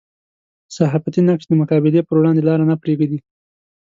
صحافتي نقش د مقابلې پر وړاندې لاره نه پرېږدي.